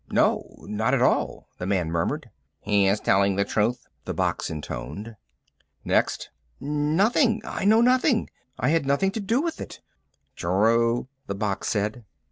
"No, not at all," the man murmured. "Yes, he's telling the truth," the box intoned. "Next!" "Nothing I know nothing. I had nothing to do with it." "True," the box said.